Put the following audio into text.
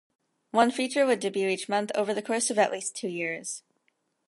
One feature would debut each month over the course of at least two years.